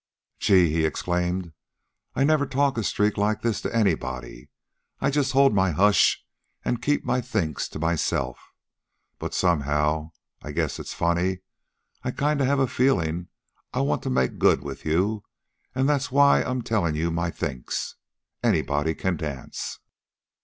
"Gee!" he exclaimed. "I never talk a streak like this to anybody. I just hold my hush an' keep my thinks to myself. But, somehow, I guess it's funny, I kind of have a feelin' I want to make good with you. An' that's why I'm tellin' you my thinks. Anybody can dance."